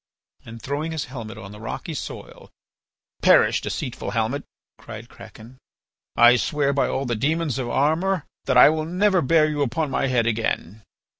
And throwing his helmet on the rocky soil: "Perish, deceitful helmet!" cried Kraken. "I swear by all the demons of Armor that I will never bear you upon my head again."